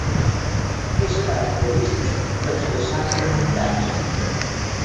És característic dels vessants de muntanya.